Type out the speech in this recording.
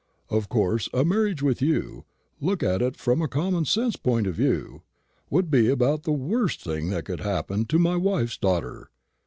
Of course a marriage with you, looked at from a common sense point of view, would be about the worst thing that could happen to my wife's daughter.